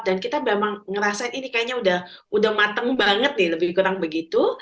dan kita memang ngerasain ini kayaknya udah mateng banget nih lebih kurang begitu